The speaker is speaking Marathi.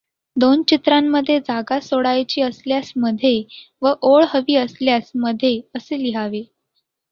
दोन चित्रांमध्ये जागा सोडायची असल्यास मध्ये व ओळ हवी असल्यास मध्ये असे लिहावे.